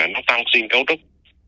nó tăng sinh cấu trúc